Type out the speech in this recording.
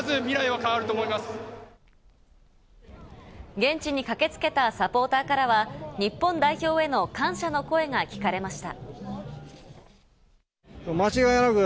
現地に駆けつけたサポーターからは日本代表への感謝の声が聞かれました。